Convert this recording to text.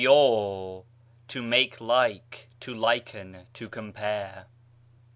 ὁμοιόω, to make like, to liken, to compare.